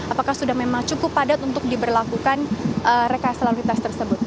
apakah sudah memang cukup padat untuk diberlakukan rekayasa lalu lintas tersebut